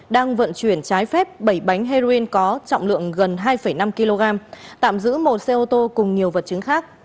đang vận chuyển trái phép bảy bánh heroin có trọng lượng gần hai năm kg tạm giữ một xe ô tô cùng nhiều vật chứng khác